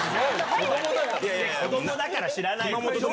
子どもだから知らない。